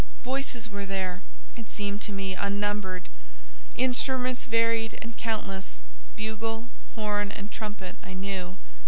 Voices were there, it seemed to me, unnumbered; instruments varied and countless—bugle, horn, and trumpet I knew.